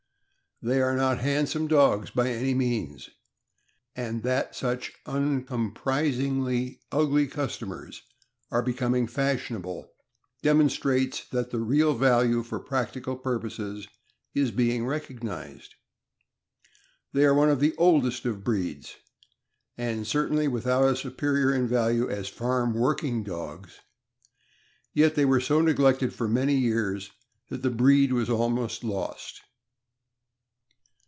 They are not handsome dogs, by any means; and that such uncompromisingly ugly customers are becoming fashionable, demonstrates that real value for practical purposes is being recognized. They are one of the oldest of breeds, and certainly with out a superior in value as farm working dogs; yet they were so neglected for many years that the breed was almost lost.